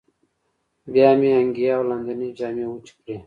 بیا مې انګیا او لاندینۍ جامې وچې کړې.